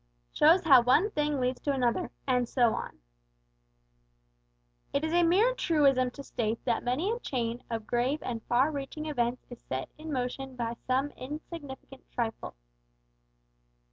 SHOWS HOW ONE THING LEADS TO ANOTHER, AND SO ON. It is a mere truism to state that many a chain of grave and far reaching events is set in motion by some insignificant trifle.